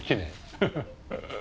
ハハハ。